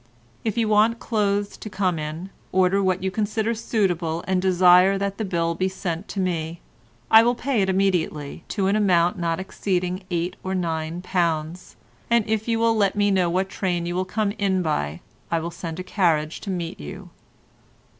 "If you want clothes to come in, order what you consider suitable, and desire that the bill be sent to me; I will pay it immediately, to an amount not exceeding eight or nine pounds, and if you will let me know what train you will come by, I will send the carriage to meet you.